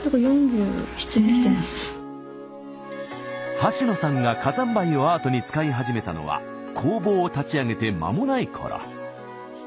橋野さんが火山灰をアートに使い始めたのは工房を立ち上げてまもないころ。